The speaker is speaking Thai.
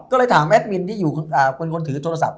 ก็เลยถามแอดมินที่อยู่เป็นคนถือโทรศัพท์